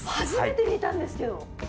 初めて見たんですけど。